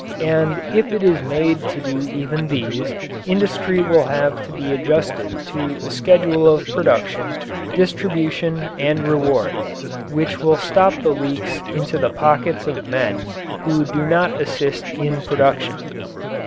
And if it is made to do even these, industry will have to be adjusted to a schedule of production, distribution, and reward, which will stop the leaks into the pockets of men who do not assist in production.